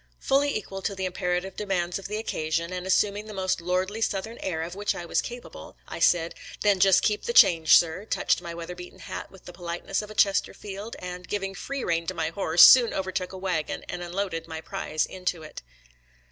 Fully equal to the imperative demands of the occasion, and, assuming the most lordly Southern air of which I was capable, I said, " Then just keep the change, sir," touched my weather beaten hat with the politeness of a Chesterfield, and, giving free rein to my horse, soon overtook a wagon and unloaded my prize into it.